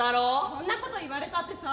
「そんなこと言われたってさ」。